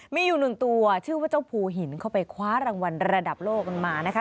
มีอยู่หนึ่งตัวชื่อว่าเจ้าภูหินเข้าไปคว้ารางวัลระดับโลกกันมานะคะ